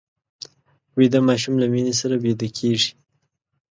ویده ماشوم له مینې سره ویده کېږي